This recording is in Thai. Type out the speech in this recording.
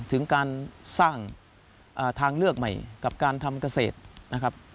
ถึงการสร้างทางเลือกใหม่กับการทำเกษตรนะครับ